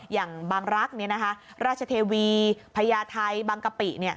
อย่างบางรักษ์ราชเทวีพญาไทยบางกะปิ